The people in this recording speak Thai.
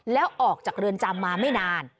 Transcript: แล้วออกจากเรือนจำมาไม่นาน